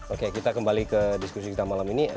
oke kita kembali ke diskusi kita malam ini